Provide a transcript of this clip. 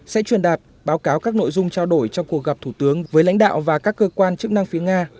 sẽ truyền đạt báo cáo các nội dung trao đổi trong cuộc gặp thủ tướng với lãnh đạo và các cơ quan chức năng phía nga